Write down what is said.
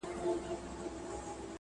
دنیا د غم په ورځ پیدا ده!!